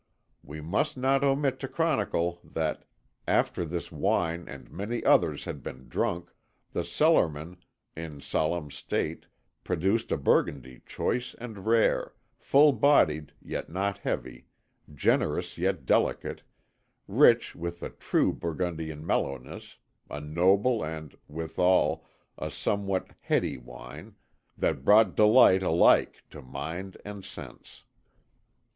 We must not omit to chronicle that, after this wine and many others had been drunk, the cellarman, in solemn state, produced a Burgundy choice and rare, full bodied yet not heavy, generous yet delicate, rich with the true Burgundian mellowness, a noble and, withal, a somewhat heady wine, that brought delight alike to mind and sense.